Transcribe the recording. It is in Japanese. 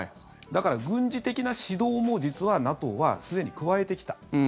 だから、軍事的な指導も実はＮＡＴＯはすでに加えてきた。